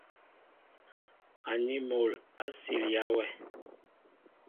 Aní mol a silya wɛ.